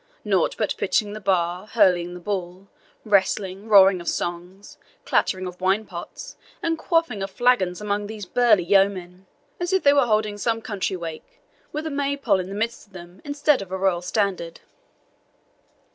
nought but pitching the bar, hurling the ball, wrestling, roaring of songs, clattering of wine pots, and quaffing of flagons among these burly yeomen, as if they were holding some country wake, with a Maypole in the midst of them instead of a royal standard."